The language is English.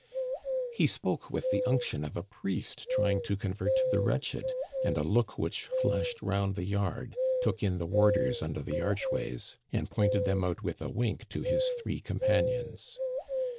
He spoke with the unction of a priest trying to convert the wretched, and a look which flashed round the yard, took in the warders under the archways, and pointed them out with a wink to his three companions.